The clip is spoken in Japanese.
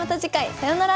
さようなら。